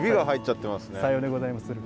さようでございまする。